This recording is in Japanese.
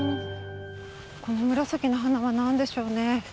この紫の花は何でしょうね。